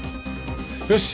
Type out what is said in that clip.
よし！